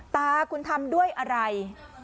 ตาคุณทำด้วยอะไร